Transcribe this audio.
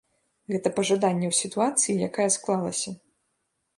Гэта пажаданне ў сітуацыі, якая склалася.